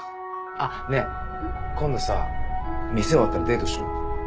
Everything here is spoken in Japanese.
あっねえ今度さ店終わったらデートしよう。